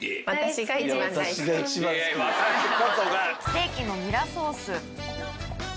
ステーキのニラソース。